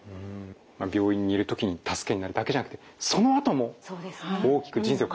病院にいる時に助けになるだけじゃなくてそのあとも大きく人生を変えてくれるかもしれないということでね。